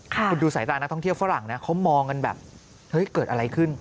คุณดูสายตานักท่องเที่ยวฝรั่งนะเขามองกันแบบเฮ้ยเกิดอะไรขึ้น